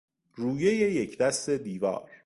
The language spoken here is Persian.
رویهی یکدست دیوار